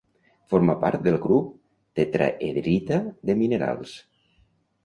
Forma part del grup tetraedrita de minerals.